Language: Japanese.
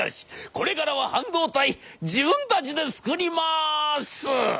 これからは半導体自分たちで作ります！」。